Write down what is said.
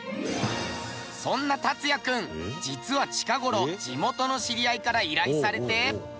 そんな達哉君実は近頃地元の知り合いから依頼されて。